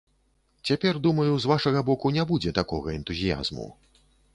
Цяпер, думаю, з вашага боку не будзе такога энтузіязму.